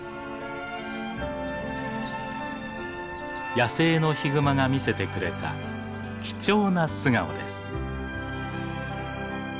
野生のヒグマが見せてくれた貴重な素顔です。